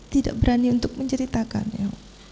tidak berani untuk menceritakannya